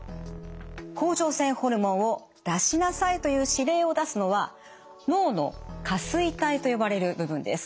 甲状腺ホルモンを出しなさいという指令を出すのは脳の下垂体と呼ばれる部分です。